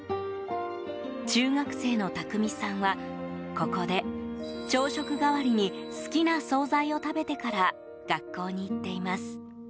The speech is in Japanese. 中学生の拓海さんはここで、朝食代わりに好きな総菜を食べてから学校に行っています。